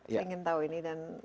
ingin tahu ini dan